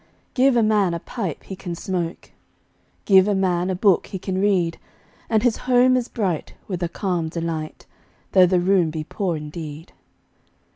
Give a man a pipe he can smoke, 5 Give a man a book he can read: And his home is bright with a calm delight, Though the room be poor indeed.